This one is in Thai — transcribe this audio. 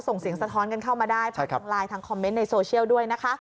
ส่งเสียงสะท้อนกันเข้ามาได้ผ่านทางไลน์ทางคอมเมนต์ในโซเชียลด้วยนะคะ